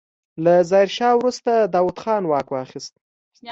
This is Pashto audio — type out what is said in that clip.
له ظاهرشاه وروسته داوود خان واک واخيست.